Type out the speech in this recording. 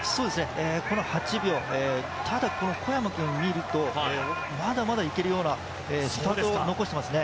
この８秒、ただ小山君を見るとまだまだいけるような力を相当残していますね。